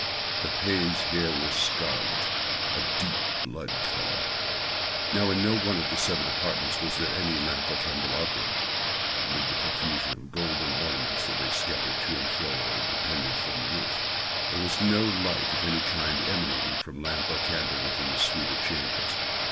The panes here were scarlet—a deep blood color. Now in no one of the seven apartments was there any lamp or candelabrum, amid the profusion of golden ornaments that lay scattered to and fro or depended from the roof. There was no light of any kind emanating from lamp or candle within the suite of chambers.